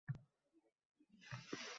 – O’lsam, tosh qo’ymanglar mening qabrimga…